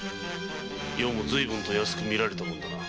余も随分と安く見られたもんだな。